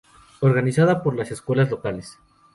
Organizada por las escuelas locales.